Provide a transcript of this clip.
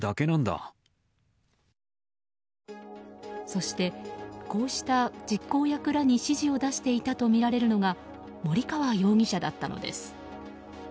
そして、こうした実行役らに指示を出していたとみられるのが森川容疑者だったのです。